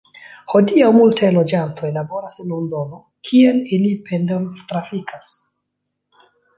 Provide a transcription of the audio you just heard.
Hodiaŭ multaj loĝantoj laboras en Londono, kien ili pendol-trafikas.